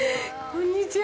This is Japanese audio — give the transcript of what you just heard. こんにちは。